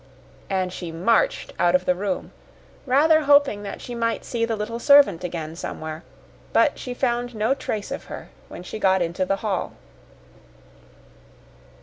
And she marched out of the room, rather hoping that she might see the little servant again somewhere, but she found no trace of her when she got into the hall.